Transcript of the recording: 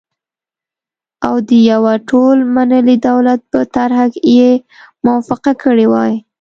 او د يوه ټول منلي دولت په طرحه یې موافقه کړې وای،